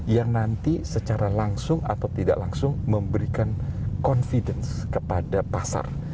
yang nanti secara langsung atau tidak langsung memberikan confidence kepada pasar